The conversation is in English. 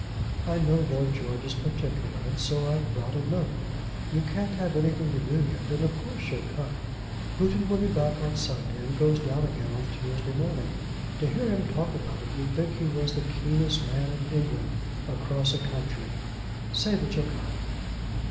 I know Lord George is particular, and so I've brought a note. You can't have anything to do yet, and of course you'll come. Houghton will be back on Sunday, and goes down again on Tuesday morning. To hear him talk about it you'd think he was the keenest man in England across a country. Say that you'll come."